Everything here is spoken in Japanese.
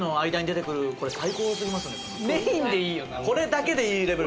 これだけでいいレベル。